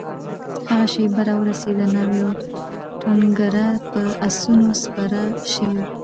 هغه شېبه راورسېده؛ ناوې او ټونګره پر آسونو سپرې شوې